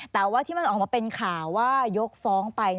แต่ว่าที่มันออกมาเป็นข่าวว่ายกฟ้องไป